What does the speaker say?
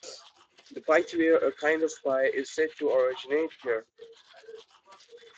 The pithivier, a kind of pie, is said to originate here.